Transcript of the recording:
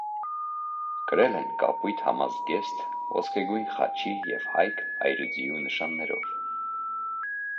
Կրել են կապույտ համազգեստ՝ ոսկեգույն խաչի և հայկ այրուձիու նշաններով։